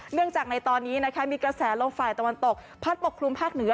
เนื่องจากในตอนนี้นะคะมีกระแสลมฝ่ายตะวันตกพัดปกคลุมภาคเหนือ